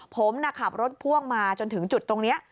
ผมขับรถพ่วงมาจนถึงจุดตรงนี้